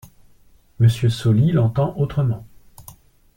Monsieur Sauli l'entend autrement.